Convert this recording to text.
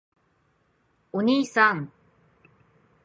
おにいさん！！！